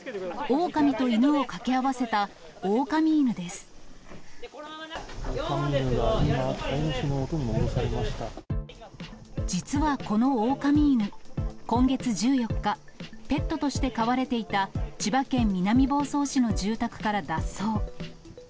オオカミ犬が今、飼い主のも実はこのオオカミ犬、今月１４日、ペットとして飼われていた千葉県南房総市の住宅から脱走。